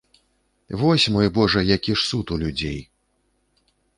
Вось, мой божа, які ж суд у людзей!